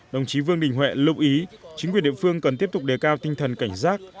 đồng chí vương đình huệ lưu ý chính quyền địa phương cần tiếp tục đề cao tinh thần cảnh giác